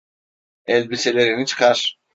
Elbiselerini çıkar.